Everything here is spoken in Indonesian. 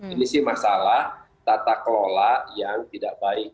ini sih masalah tata kelola yang tidak baik